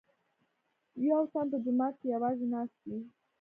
یوتن په جومات کې یوازې ناست دی.